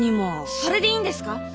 それでいいんですか？